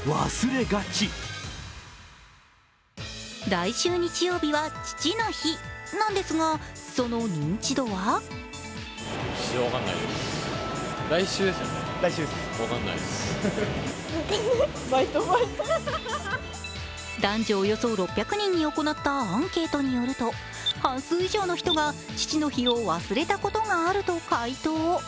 来週日曜日は父の日なんですがその認知度は男女およそ６００人に行ったアンケートによると半数以上の人が父の日を忘れたことがあると回答。